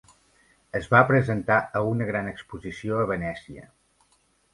Es va presentar a una gran exposició a Venècia.